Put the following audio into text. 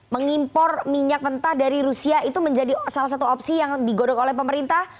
mengimpor minyak mentah dari rusia itu menjadi salah satu opsi yang digodok oleh pemerintah